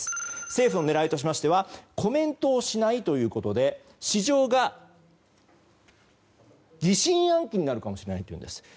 政府の狙いとしてはコメントをしないことで市場が疑心暗鬼になるかもしれないというんです。